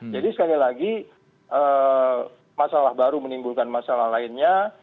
jadi sekali lagi masalah baru menimbulkan masalah lainnya